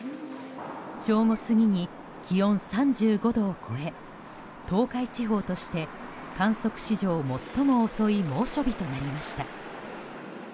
正午過ぎに気温３５度を超え東海地方として観測史上最も遅い猛暑日となりました。